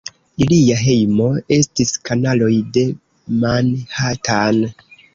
Ilia hejmo estis kanaloj de Manhattan.